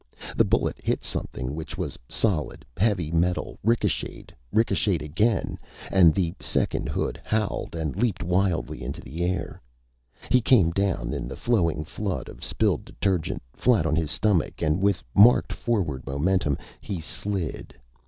The bullet hit something which was solid heavy metal, ricocheted, ricocheted again and the second hood howled and leaped wildly into the air. He came down in the flowing flood of spilled detergent, flat on his stomach, and with marked forward momentum. He slid.